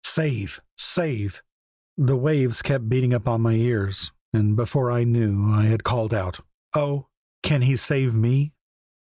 Save! Save! The waves kept beating upon my ears, and before I knew I had called out, 'Oh! can He save me?'